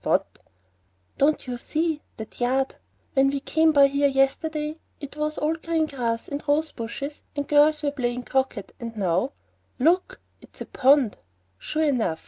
"What?" "Don't you see? That yard! When we came by here yesterday it was all green grass and rose bushes, and girls were playing croquet; and now, look, it's a pond!" Sure enough!